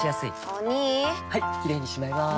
お兄はいキレイにしまいます！